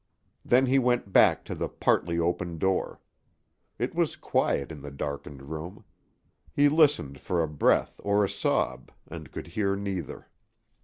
Then he went back to the partly open door. It was quiet in the darkened room. He listened for a breath or a sob, and could hear neither.